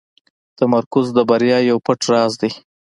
تمرکز د بریا یو پټ راز دی.